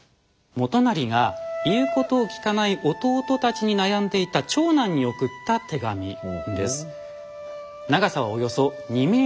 元就が言うことを聞かない弟たちに悩んでいた長男に送った手紙です。